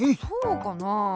そうかなあ？